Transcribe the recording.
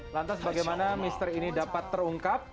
lantas bagaimana misteri ini dapat terungkap